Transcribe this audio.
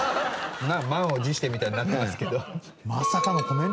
満を持してみたいになってますけど。